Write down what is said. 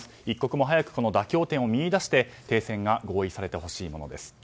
一刻も早く妥協点を見出して停戦が合意されてほしいものです。